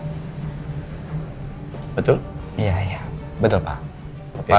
mungkin saya dulunya adalah pendangar yang baik dan pemberi masukan yang baik juga